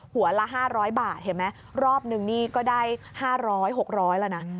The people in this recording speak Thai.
ละ๕๐๐บาทเห็นไหมรอบนึงนี่ก็ได้๕๐๐๖๐๐แล้วนะ